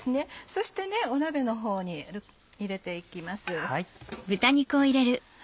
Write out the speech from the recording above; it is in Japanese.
そして鍋のほうに入れて行きます。